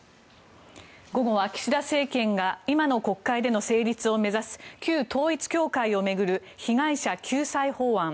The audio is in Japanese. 午後は、岸田政権が今の国会での成立を目指す旧統一教会を巡る被害者救済法案。